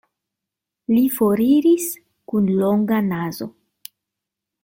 Li foriris kun longa nazo.